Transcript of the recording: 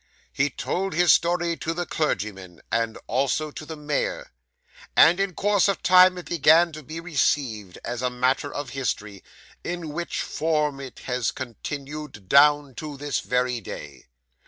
He told his story to the clergyman, and also to the mayor; and in course of time it began to be received as a matter of history, in which form it has continued down to this very day.